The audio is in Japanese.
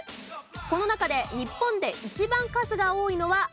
この中で日本で一番数が多いのはどれでしょう？